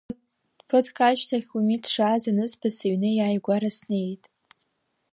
Ԥыҭк ашьҭахь Умиҭ дшааз анызба сыҩны иааигәара снеит.